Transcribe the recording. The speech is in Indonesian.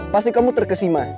pasti kamu terkesima